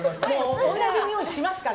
同じにおいがしますから。